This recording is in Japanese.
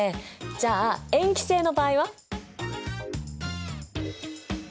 じゃあ塩基性の場合は？